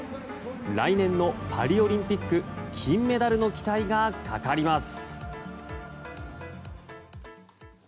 来年のパリオリンピック金メダルの期待がかかります。